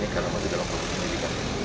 karena masih dalam tahap penyidikan